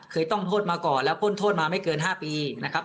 ต้องโทษมาก่อนแล้วพ่นโทษมาไม่เกิน๕ปีนะครับ